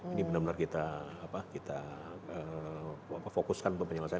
ini benar benar kita fokuskan untuk penyelesaian